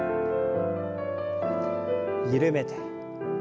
緩めて。